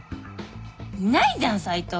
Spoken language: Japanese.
いないじゃん斉藤。